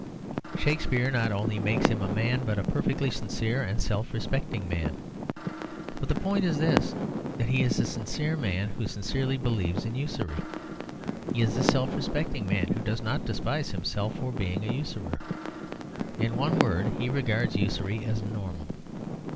Shakespeare not only makes him a man but a perfectly sincere and self respecting man. But the point is this: that he is a sincere man who sincerely believes in usury. He is a self respecting man who does not despise himself for being a usurer. In one word, he regards usury as normal.